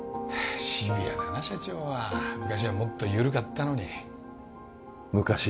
あシビアだな社長は昔はもっと緩かったのに昔？